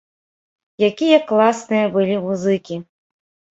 Якія класныя былі музыкі!